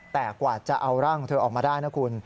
แต่กว่าจะเอาร่างของเธอออกมาได้นะคุณ